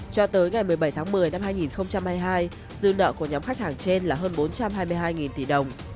cho tới ngày một mươi bảy tháng một mươi năm hai nghìn hai mươi hai dư nợ của nhóm khách hàng trên là hơn bốn trăm hai mươi hai tỷ đồng